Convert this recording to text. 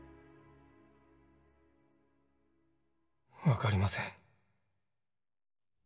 分かりません。